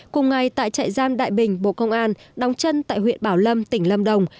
cùng ngày tại trại giam đại bình bộ công an đóng chân tại huyện bảo lâm tỉnh lâm đồng